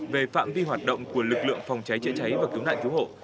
về phạm vi hoạt động của lực lượng phòng cháy chữa cháy và cứu nạn cứu hộ